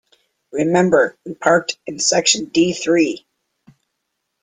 Remember we parked in section D three.